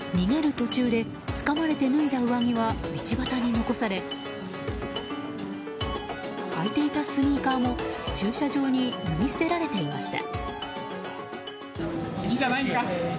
途中でつかまれて脱いだ上着は道端に残され履いていたスニーカーも駐車場に脱ぎ捨てられていました。